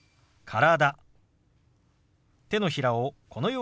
「体」。